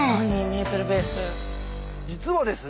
実はですね